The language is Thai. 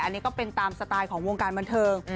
อันนี้ก็เป็นตามสไตล์ของวงการบันเทิง